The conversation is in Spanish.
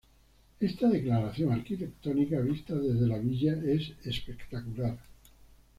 Esta declaración arquitectónica, vista desde la villa, es espectacular.